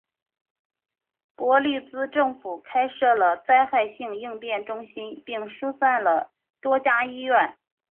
伯利兹政府开设了灾害应变中心并疏散了多家医院。